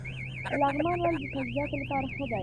لغمان ولې د سبزیجاتو لپاره ښه دی؟